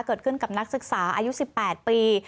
เกิดขึ้นกับนักศึกษาอายุ๑๘ปี